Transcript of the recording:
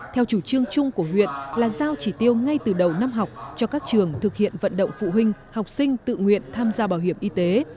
theo chủ trương chung của huyện là giao chỉ tiêu ngay từ đầu năm học cho các trường thực hiện vận động phụ huynh học sinh tự nguyện tham gia bảo hiểm y tế